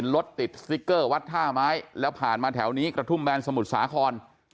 รถติดสติ๊กเกอร์วัดท่าไม้แล้วผ่านมาแถวนี้กระทุ่มแบนสมุทรสาคร